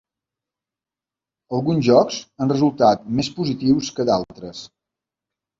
Alguns jocs han resultat més positius que d'altres.